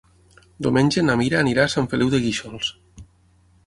Diumenge na Mira anirà a Sant Feliu de Guíxols.